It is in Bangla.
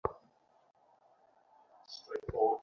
কিন্তু, দেখুন, এরা বলেনি।